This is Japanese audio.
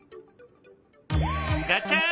ガチャン！